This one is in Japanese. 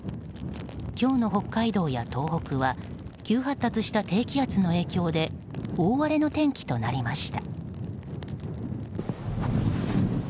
今日の北海道や東北は急発達した低気圧の影響で大荒れの天気となりました。